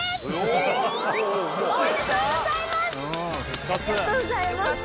おめでとうございます！